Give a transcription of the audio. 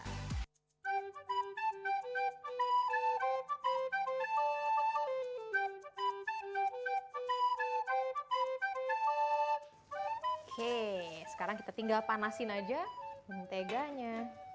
oke sekarang kita tinggal panasin aja menteganya